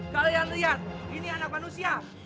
kalian lihat ini anak manusia